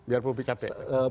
biar publik capek